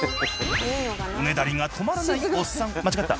おねだりが止まらないおっさん間違った！